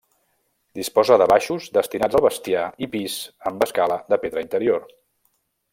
Disposa de baixos, destinats al bestiar, i pis, amb escala de pedra interior.